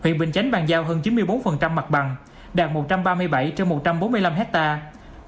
huyện bình chánh bàn giao hơn chín mươi bốn mặt bằng đạt một trăm ba mươi bảy trên một trăm bốn mươi năm hectare